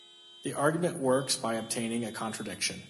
The argument works by obtaining a contradiction.